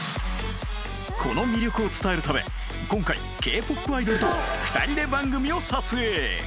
この魅力を伝えるため今回 Ｋ−ＰＯＰ アイドルと２人で番組を撮影